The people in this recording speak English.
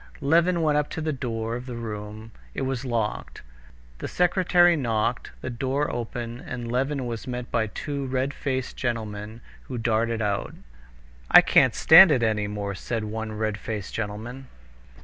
Levin went up to the door of the room; it was locked. The secretary knocked, the door opened, and Levin was met by two red faced gentlemen, who darted out. "I can't stand any more of it," said one red faced gentleman.